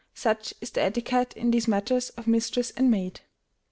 Such is the etiquette in these matters of mistress and maid.